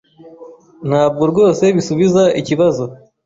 Ntabwo rwose bisubiza ikibazo.